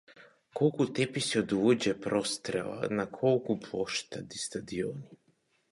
Колку теписи од луѓе прострела, на колку плоштади, стадиони.